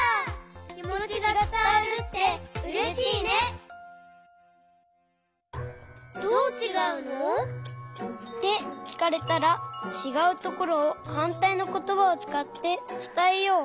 きもちがつたわるってうれしいね！ってきかれたらちがうところをはんたいのことばをつかってつたえよう！